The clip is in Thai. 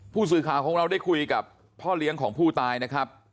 ผู้สื่อข่าวของเราได้คุยกับพ่อเลี้ยงของผู้ตายนะครับ